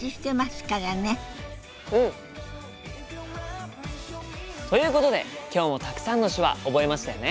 うん！ということで今日もたくさんの手話覚えましたよね。